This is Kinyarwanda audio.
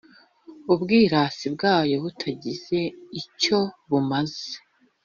ubwirasi bwayo butagize icyo bumaze.